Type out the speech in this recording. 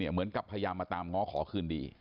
เหมือนกับพยายามมาตามง้อขอคืนดี